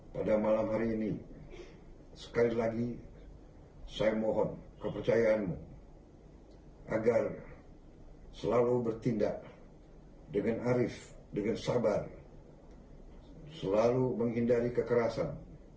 pada malam hari ini sekali lagi saya mohon kepercayaan agar selalu bertindak dengan arif dengan sabar selalu menghindari kekerasan